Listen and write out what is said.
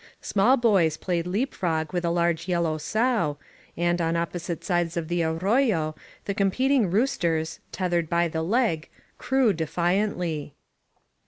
Small boys played leap frog with a large yellow sow, and on opposite sides of the arroyo the competing roosters, tethered by the leg, crew defiantly.